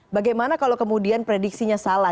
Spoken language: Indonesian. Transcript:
bagaimana kalau kemudian prediksinya salah